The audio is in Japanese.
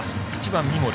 １番、三森。